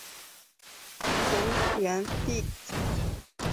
藤原丽子